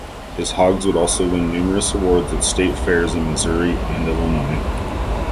His hogs would also win numerous awards at state fairs in Missouri and Illinois.